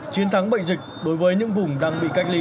chiến thắng bệnh dịch đối với những vùng đang bị cách ly